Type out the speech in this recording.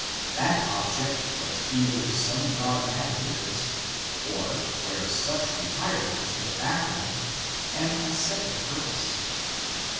That object was either some dogmatic interest, or, where such retired into the back ground, an ascetic purpose.